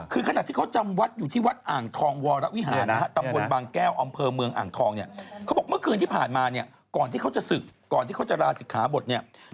คือขณะที่เขาจำวัดอยู่ที่วัดอ่างทองวรวิหารนะฮะตำบลบางแก้วอำเภอเมืองอ่างทองเนี่ยเขาบอกเมื่อคืนที่ผ่านมาเนี่ยก่อนที่เขาจะศึกก่อนที่เขาจะลาศิกขาบทเนี่ย